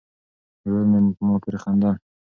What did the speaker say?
ورور مې په ما پورې خندل.